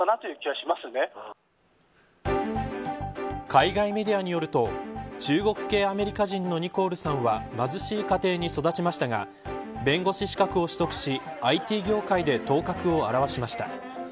海外メディアによると中国系アメリカ人のニコールさんは貧しい家庭に育ちましたが弁護士資格を取得しＩＴ業界で頭角を現しました。